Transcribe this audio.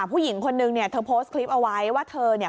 ผู้หญิงคนนึงเนี่ยเธอโพสต์คลิปเอาไว้ว่าเธอเนี่ย